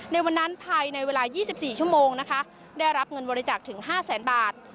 ในวันนั้นภายในเวลา๒๔ชั่วโมงนะคะได้รับเงินบริจาคถึง๕แสนบาท